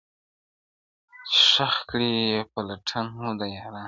چي ښخ کړی یې پلټن وو د یارانو!